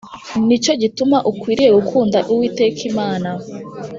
Ni cyo gituma ukwiriye gukunda Uwiteka Imana